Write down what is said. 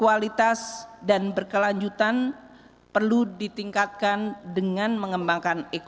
dan kemampuan pemerintahan yang memiliki kekuasaan yang lebih baik